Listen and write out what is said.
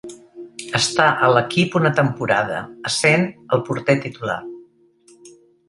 Està a l'equip una temporada, essent el porter titular.